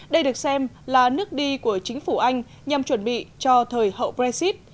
đây được xem là nước đi của chính phủ anh nhằm chuẩn bị cho thời hậu brexit